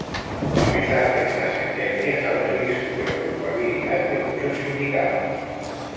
A pesar de estas sentencias, aún se discute la culpabilidad de muchos sindicados.